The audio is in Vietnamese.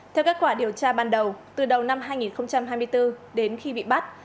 theo kết quả điều tra ban đầu từ đầu năm hai nghìn hai mươi bốn đến khi bị bắt